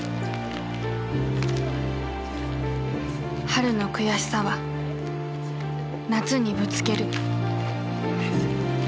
春の悔しさは夏にぶつける。